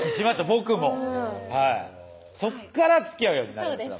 僕もはいそっからつきあうようになりました